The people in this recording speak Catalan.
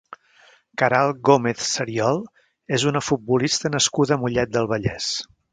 Queralt Gómez Sariol és una futbolista nascuda a Mollet del Vallès.